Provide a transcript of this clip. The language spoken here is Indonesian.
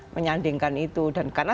menyandingkan itu dan karena